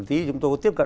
chúng tôi có tiếp cận